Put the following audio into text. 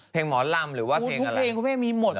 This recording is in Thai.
เพลงหมอนรำหรือว่าเพลงอะไร